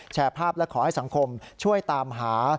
แชร์ภาพและขอให้สังคมช่วยตามหา